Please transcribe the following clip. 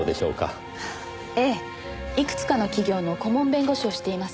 ええいくつかの企業の顧問弁護士をしています。